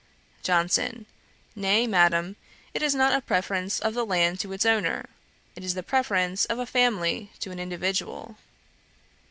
JOHNSON. 'Nay, Madam, it is not a preference of the land to its owner, it is the preference of a family to an individual.